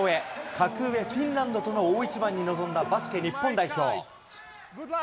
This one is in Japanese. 格上、フィンランドとの大一番に臨んだバスケ日本代表。